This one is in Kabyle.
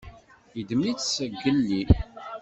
Yeddem-itt zgelli.